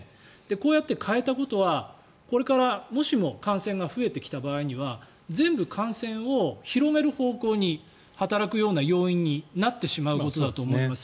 こうやって変えたことはこれから、もしも感染が増えてきた場合には全部、感染を広める方向に働くような要因になってしまうことだと思います。